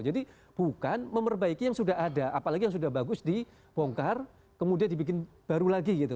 jadi bukan memperbaiki yang sudah ada apalagi yang sudah bagus dibongkar kemudian dibikin baru lagi gitu